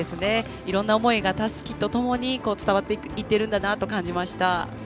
いろんな思いがたすきとともに伝わっていると感じました。